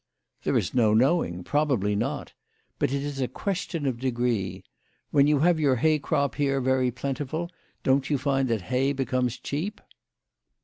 " There is no knowing ; probably not. But it is a question of degree. When you have your hay crop here very plentiful, don't you find that hay becomes cheap?"